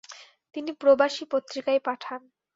তিনি প্রবাসী পত্রিকায় পাঠান।